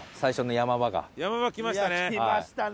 山場きましたね！